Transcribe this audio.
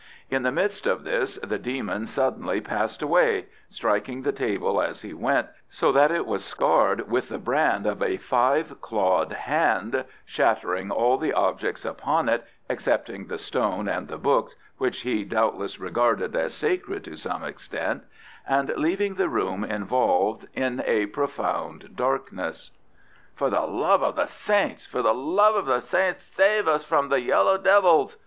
In the midst of this the demon suddenly passed away, striking the table as he went, so that it was scarred with the brand of a five clawed hand, shattering all the objects upon it (excepting the stone and the books, which he doubtless regarded as sacred to some extent), and leaving the room involved in a profound darkness. "For the love av the saints for the love av the saints, save us from the yellow devils!"